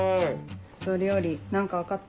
それより何か分かった？